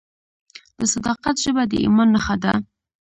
د صداقت ژبه د ایمان نښه ده.